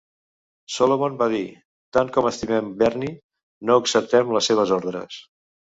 Solomon va dir: "Tant com estimem Bernie, no acceptem les seves ordres".